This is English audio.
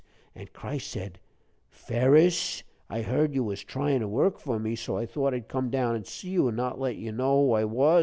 An' Christ said, 'Ferus, I heard you was tryin' to work for me, so I thought I'd come down an' see you, an' not let you know who I was.